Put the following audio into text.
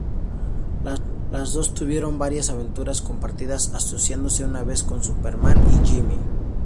Las dos tuvieron varias aventuras compartidas, asociándose una vez con Superman y Jimmy.